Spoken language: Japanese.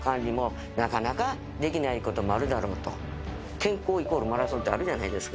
「健康＝マラソン」ってあるじゃないですか。